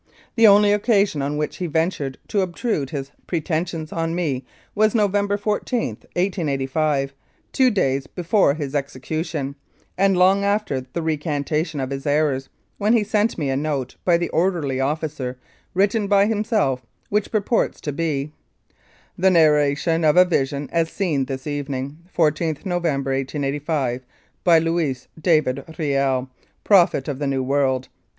The only occasion on which he ventured to obtrude his pre tensions on me was on November 14, 1885, two days before his execution, and long after the recantation of his errors, when he sent me a note by the orderly officer, written by himself, which purports to be : "The Narration of a Vision as seen this evening, i4th November, 1885, bv Louis ' David ' Riel, ' Prophet of the New World.